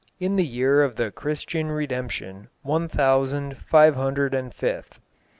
In the year of the Christian Redemption, One thousand five hundred and fifth."